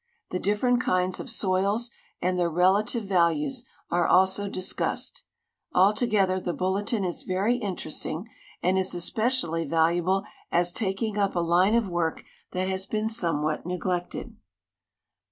The different kinds of soils and their relative values are also dis cussed. Altogether the bulletin is very interesting, and is especially valuable as taking up a line of work that has been somewhat neglected.